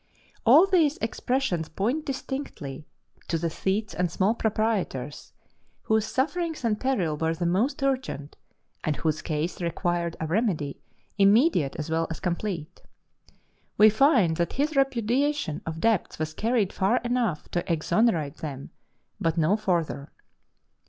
All these expressions point distinctly to the Thetes and small proprietors, whose sufferings and peril were the most urgent, and whose case required a remedy immediate as well as complete. We find that his repudiation of debts was carried far enough to exonerate them, but no farther.